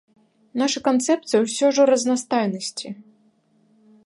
Наша канцэпцыя ўсё ж у разнастайнасці.